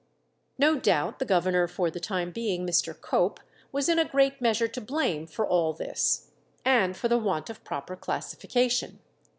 No doubt the governor for the time being, Mr. Cope, was in a great measure to blame for all this, and for the want of proper classification.